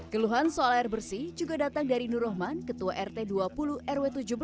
keluhan soal air bersih juga datang dari nur rahman ketua rt dua puluh rw tujuh belas